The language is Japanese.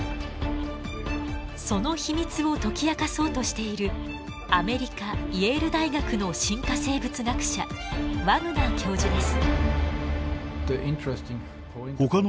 その秘密を解き明かそうとしているアメリカイェール大学の進化生物学者ワグナー教授です。